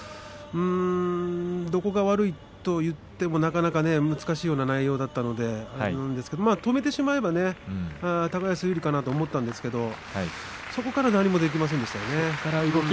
どこが悪いといってもなかなか難しいような内容だったんですが止めてしまえば高安、有利かなと思ったんですがそこから何もできませんでしたね。